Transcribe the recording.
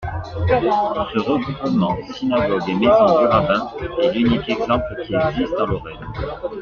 Ce regroupement, synagogue et maison du rabbin, est l'unique exemple qui existe en Lorraine.